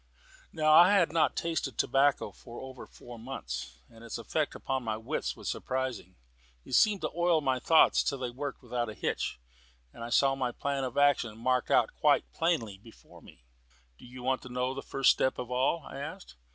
Now I had not tasted tobacco for over four months, and its effect upon my wits was surprising. It seemed to oil my thoughts till they worked without a hitch, and I saw my plan of action marked out quite plainly before me. "Do you want to know the first step of all?" I asked.